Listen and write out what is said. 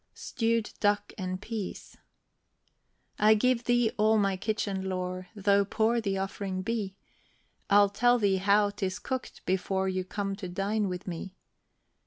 STEWED DUCK AND PEAS. I give thee all my kitchen lore, Though poor the offering be; I'll tell thee how 'tis cooked, before You come to dine with me.